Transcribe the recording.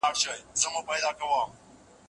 ولي مدام هڅاند د مستحق سړي په پرتله ښه ځلېږي؟